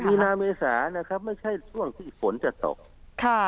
มีนาเมษาไม่ใช่ช่วงที่ฝนจะตก